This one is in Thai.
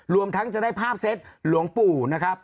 รวมทั้งจะได้ภาพเซตหลวงปู่นะครับ